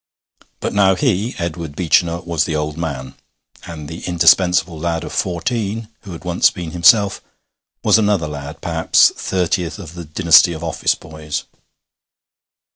But now he, Edward Beechinor, was the old man, and the indispensable lad of fourteen, who had once been himself, was another lad, perhaps thirtieth of the dynasty of office boys.